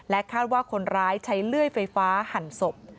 คาดว่าคนร้ายใช้เลื่อยไฟฟ้าหั่นศพ